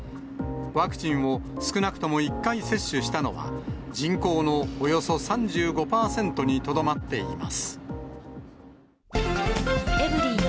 ワクチンを少なくとも１回接種したのは、人口のおよそ３５％にとどまっています。